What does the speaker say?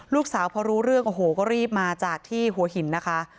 ลูกสาวพอรู้เรื่องโอ้โหก็รีบมาจากที่หัวหินนะคะ